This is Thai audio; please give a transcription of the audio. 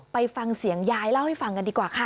ไปฟังเสียงยายเล่าให้ฟังกันดีกว่าค่ะ